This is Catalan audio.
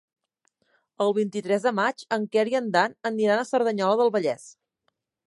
El vint-i-tres de maig en Quer i en Dan aniran a Cerdanyola del Vallès.